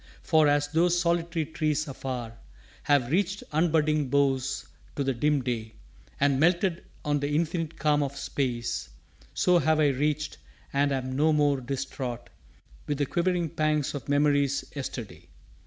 For, as those solitary trees afar Have reached unbudding boughs to the dim day And melted on the infinite calm of space, So have I reached, and am no more distraught With the quivering pangs of memory's yesterday.